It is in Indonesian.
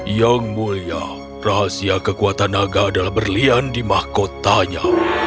yang mulia rahasia kekuatan naga adalah berlian di mahkotanya